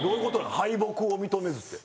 敗北を認めずって。